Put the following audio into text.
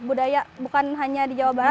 budaya bukan hanya di jalan jalan